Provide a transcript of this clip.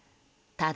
ただ。